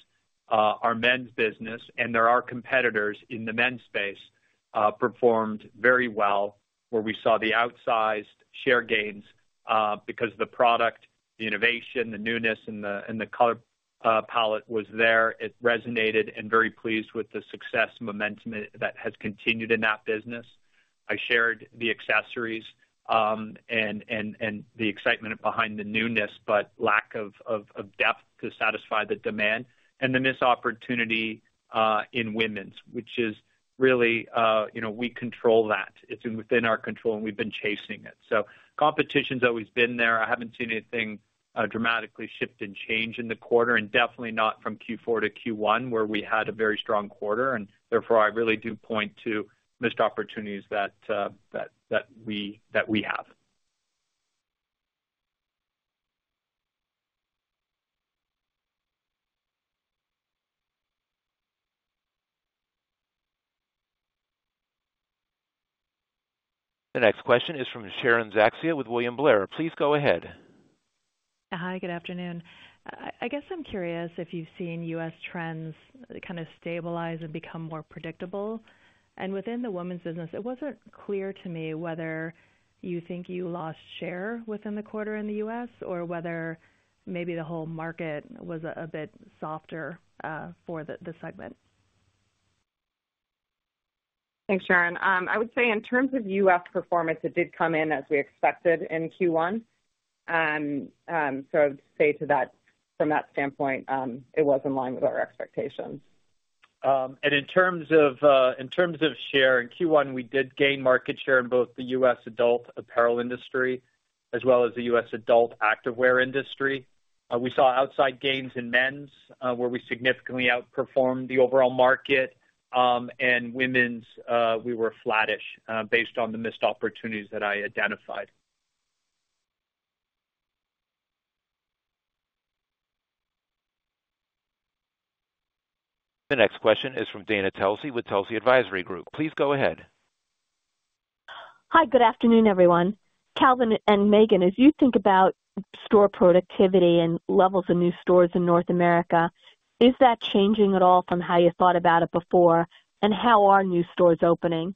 Our men's business, and there are competitors in the men's space, performed very well, where we saw the outsized share gains, because the product, the innovation, the newness, and the color palette was there. It resonated and very pleased with the success and momentum that has continued in that business. I shared the accessories and the excitement behind the newness, but lack of depth to satisfy the demand and the missed opportunity in women's, which is really, you know, we control that. It's within our control, and we've been chasing it. So competition's always been there. I haven't seen anything dramatically shift and change in the quarter, and definitely not from Q4 to Q1, where we had a very strong quarter, and therefore I really do point to missed opportunities that we have. The next question is from Sharon Zackfia with William Blair. Please go ahead. Hi, good afternoon. I, I guess I'm curious if you've seen U.S. trends kind of stabilize and become more predictable. Within the women's business, it wasn't clear to me whether you think you lost share within the quarter in the U.S. or whether maybe the whole market was a bit softer for the segment. Thanks, Sharon. I would say in terms of U.S. performance, it did come in as we expected in Q1. So I'd say to that, from that standpoint, it was in line with our expectations. In terms of share, in Q1, we did gain market share in both the U.S. adult apparel industry as well as the U.S. adult activewear industry. We saw outsized gains in men's, where we significantly outperformed the overall market. In women's, we were flattish, based on the missed opportunities that I identified. The next question is from Dana Telsey with Telsey Advisory Group. Please go ahead. Hi, good afternoon, everyone. Calvin and Meghan, as you think about store productivity and levels of new stores in North America, is that changing at all from how you thought about it before? And how are new stores opening?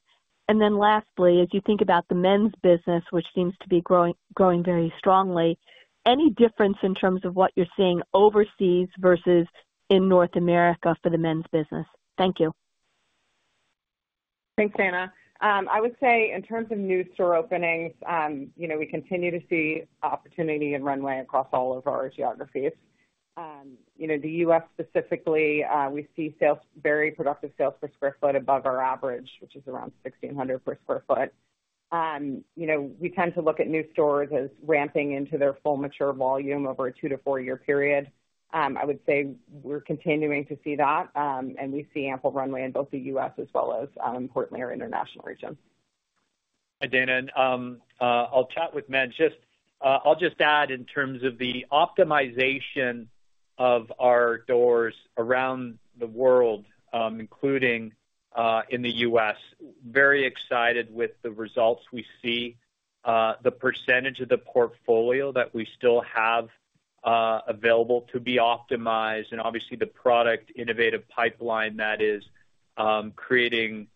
And then lastly, as you think about the men's business, which seems to be growing, growing very strongly, any difference in terms of what you're seeing overseas versus in North America for the men's business? Thank you. Thanks, Dana. I would say in terms of new store openings, you know, we continue to see opportunity and runway across all of our geographies. You know, the U.S. specifically, we see very productive sales per sq ft above our average, which is around 1,600 per sq ft. I would say we're continuing to see that, and we see ample runway in both the U.S. as well as, importantly, our international regions. Hi, Dana, and I'll chat with Matt. I'll just add in terms of the optimization of our doors around the world, including in the U.S., very excited with the results we see, the percentage of the portfolio that we still have available to be optimized, and obviously the product innovation pipeline that is creating,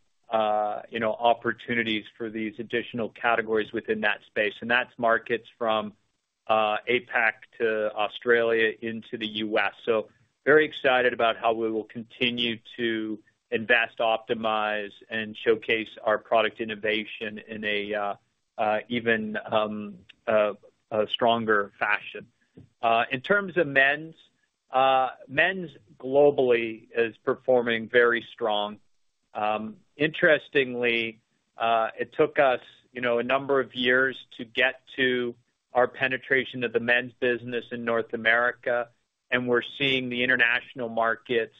you know, opportunities for these additional categories within that space. And that's markets from APAC to Australia into the U.S.. So very excited about how we will continue to invest, optimize, and showcase our product innovation in an even stronger fashion. In terms of men's, men's globally is performing very strong. Interestingly, it took us, you know, a number of years to get to our penetration of the men's business in North America, and we're seeing the international markets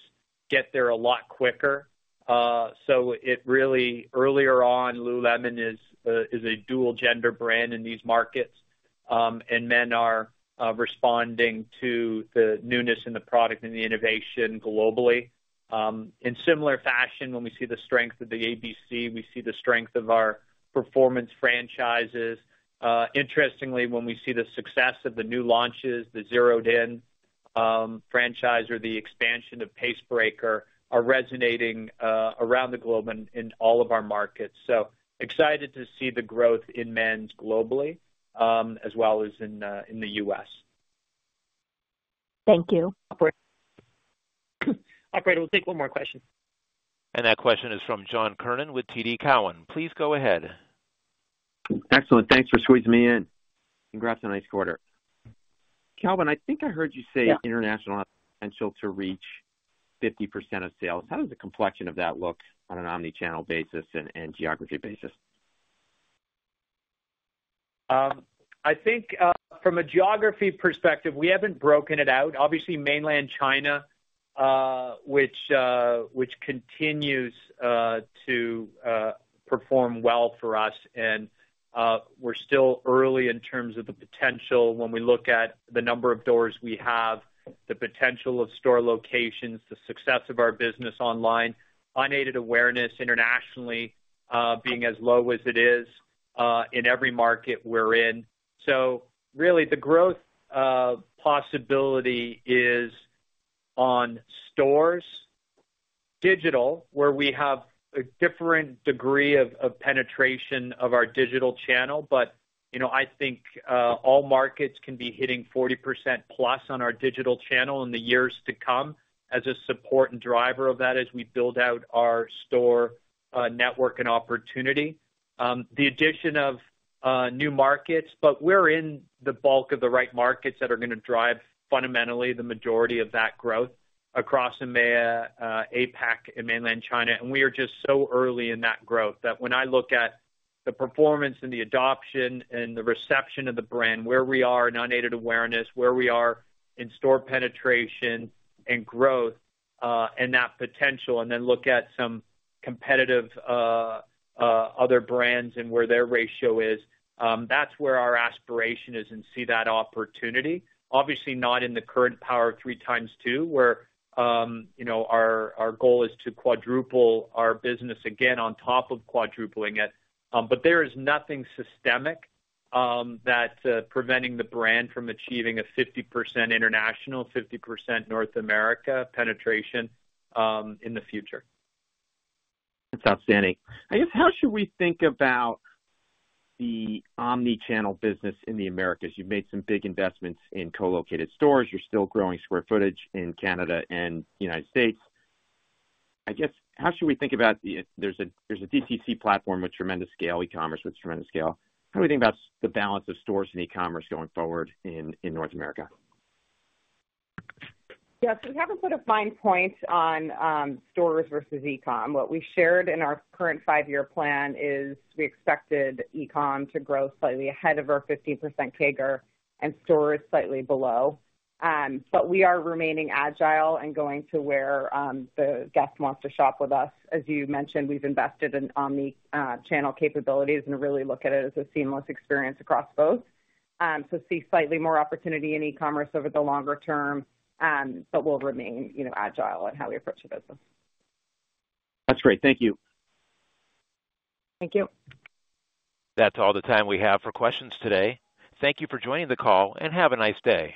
get there a lot quicker. So, earlier on, Lululemon is a dual gender brand in these markets, and men are responding to the newness in the product and the innovation globally. In similar fashion, when we see the strength of the ABC, we see the strength of our performance franchises. Interestingly, when we see the success of the new launches, the Zeroed In franchise or the expansion of Pace Breaker are resonating around the globe in all of our markets. So excited to see the growth in men's globally, as well as in the U.S. Thank you. Operator? Operator, we'll take one more question. That question is from John Kernan with TD Cowen. Please go ahead. Excellent. Thanks for squeezing me in. Congrats on a nice quarter. Calvin, I think I heard you say- Yeah International has potential to reach 50% of sales. How does the complexion of that look on an omni-channel basis and geography basis? I think, from a geography perspective, we haven't broken it out. Obviously, Mainland China, which continues to perform well for us, and we're still early in terms of the potential when we look at the number of doors we have, the potential of store locations, the success of our business online, unaided awareness internationally, being as low as it is, in every market we're in. So really, the growth possibility is on stores, digital, where we have a different degree of penetration of our digital channel. But, you know, I think, all markets can be hitting 40% plus on our digital channel in the years to come as a support and driver of that as we build out our store network and opportunity. The addition of new markets, but we're in the bulk of the right markets that are gonna drive, fundamentally, the majority of that growth across EMEA, APAC and Mainland China. And we are just so early in that growth, that when I look at the performance and the adoption and the reception of the brand, where we are in unaided awareness, where we are in store penetration and growth, and that potential, and then look at some competitive other brands and where their ratio is, that's where our aspiration is and see that opportunity. Obviously, not in the current Power of Three x2, where, you know, our, our goal is to quadruple our business again on top of quadrupling it. But there is nothing systemic that's preventing the brand from achieving a 50% international, 50% North America penetration in the future. That's outstanding. I guess, how should we think about the omni-channel business in the Americas? You've made some big investments in co-located stores. You're still growing square footage in Canada and United States. I guess, how should we think about the... There's a DTC platform with tremendous scale, e-commerce with tremendous scale. How do we think about the balance of stores and e-commerce going forward in North America? Yeah, so we haven't put a fine point on, stores versus e-com. What we shared in our current five-year plan is we expected e-com to grow slightly ahead of our 50% CAGR and stores slightly below. But we are remaining agile and going to where, the guest wants to shop with us. As you mentioned, we've invested in omni-channel capabilities and really look at it as a seamless experience across both. So see slightly more opportunity in e-commerce over the longer term, but we'll remain, you know, agile in how we approach the business. That's great. Thank you. Thank you. That's all the time we have for questions today. Thank you for joining the call, and have a nice day.